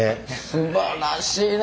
すばらしいね。